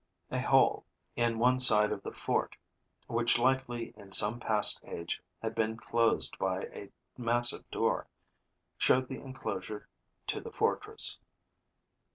A hole, in one side of the fort, which likely in some past age had been closed by a massive door, showed the enclosure to the fortress.